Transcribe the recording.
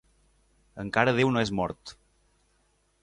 Encara Déu no és mort.